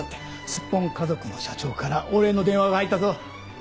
スッポン家族の社長からお礼の電話が入ったぞ。